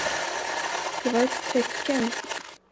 Det var ett tecken.